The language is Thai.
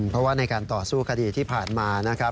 เพราะต่อสู้คดีที่ผ่านมา